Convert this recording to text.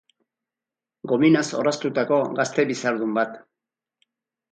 Gominaz orraztutako gazte bizardun bat.